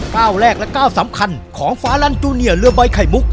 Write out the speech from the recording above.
ก้าวแรกและก้าวสำคัญของฟ้าลันจูเนียเรือใบไข่มุก